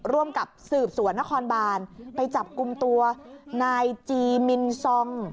ร่วมกับสืบสวนนครบานไปจับกลุ่มตัวนายจีมินซอง